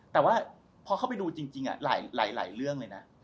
แต่ว่าพอเข้าไปดูจริงหลายเรื่องเลยนะ